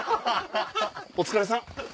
お疲れさん。